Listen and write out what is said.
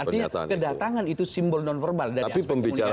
artinya kedatangan itu simbol non verbal dari aspek politik